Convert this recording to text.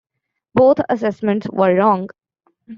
Both assessments were wrong.